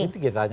itu kita tanya